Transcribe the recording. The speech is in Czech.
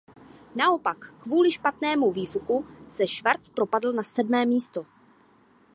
Naopak kvůli špatnému výfuku se Schwarz propadl na sedmé místo.